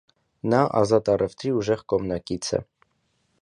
Նա ազատ առևտրի ուժեղ կողմնակից է։